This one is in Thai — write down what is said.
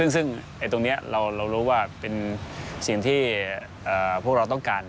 ซึ่งตรงนี้เรารู้ว่าเป็นสิ่งที่พวกเราต้องการ